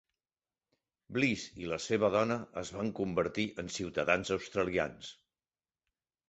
Bliss i la seva dona es van convertir en ciutadans australians.